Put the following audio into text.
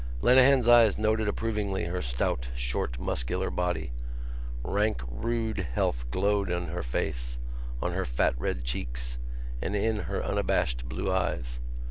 Lenehan's eyes noted approvingly her stout short muscular body. Frank rude health glowed in her face, on her fat red cheeks and in her unabashed blue eyes.